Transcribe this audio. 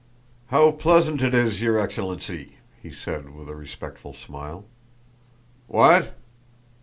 "How pleasant it is, your excellency!" he said with a respectful smile. "What?"